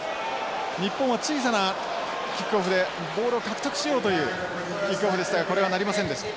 日本は小さなキックオフでボールを獲得しようというキックオフでしたがこれはなりませんでした。